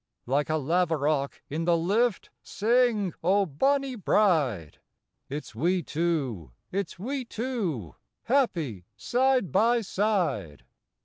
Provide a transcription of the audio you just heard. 65 Like a laverock in the lift, sing, O bonny bride! It's we two, it's we two, happy side by side.